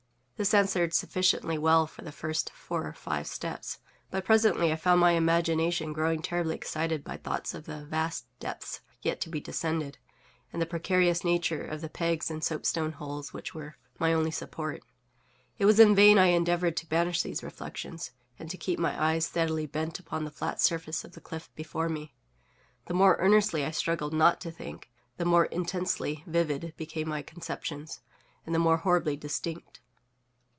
This answered sufficiently well for the first four or five steps; but presently I found my imagination growing terribly excited by thoughts of the vast depths yet to be descended, and the precarious nature of the pegs and soapstone holes which were my only support. It was in vain I endeavored to banish these reflections, and to keep my eyes steadily bent upon the flat surface of the cliff before me. The more earnestly I struggled _not to think,_the more intensely vivid became my conceptions, and the more horribly distinct.